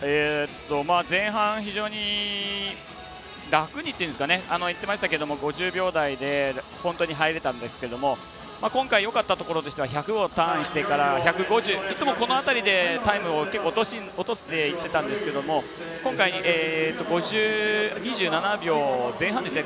前半、非常に楽にっていうんですかね言ってましたけど５０秒台で本当に入れたんですけれども今回、よかったところとしては１００をターンしてから１５０、いつもこの辺りでタイムを落としていってたんですけど今回、２７秒前半ですね